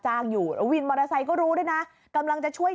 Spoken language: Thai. ถ้าหนูไม่ยอมใส่ให้พี่เขาก็เลยชับ